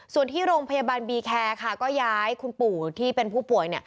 ส่วนที่โรงพยาบาลบีแคร์ค่ะก็ย้ายคุณปู่ที่เป็นผู้ป่วย